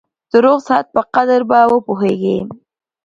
د روغ صحت په قدر به وپوهېږې !